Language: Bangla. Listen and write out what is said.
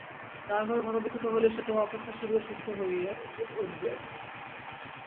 দারুণভাবে ক্ষতবিক্ষত হইলে সে তোমা অপেক্ষা শীঘ্র সুস্থ হইয়া উঠিবে।